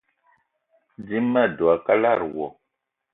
Dím ma dwé a kalada wo